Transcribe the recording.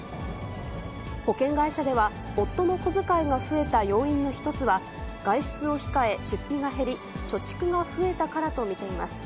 保険会社では、夫の小遣いが増えた要因の一つは、外出を控え出費が減り、貯蓄が増えたからと見ています。